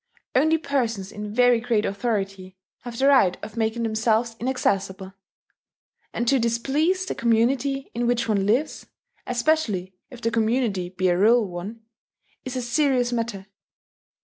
Only persons in very great authority have the right of making themselves inaccessible. And to displease the community in which one lives, especially if the community be a rural one, is a serious matter.